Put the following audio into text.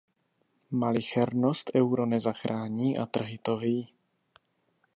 Malichernost euro nezachrání a trhy to ví.